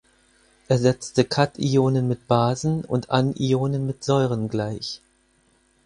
Er setzte Kationen mit Basen und Anionen mit Säuren gleich.